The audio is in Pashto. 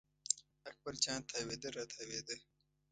اکبر جان تاوېده را تاوېده.